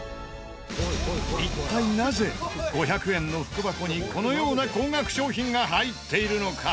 一体なぜ５００円の福箱にこのような高額商品が入っているのか？